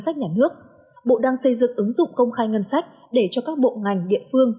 sách nhà nước bộ đang xây dựng ứng dụng công khai ngân sách để cho các bộ ngành địa phương